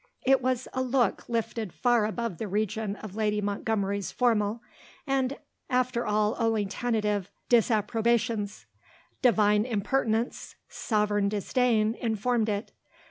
It was a look lifted far above the region of Lady Montgomery's formal, and after all only tentative, disapprobations; divine impertinence, sovereign disdain informed it.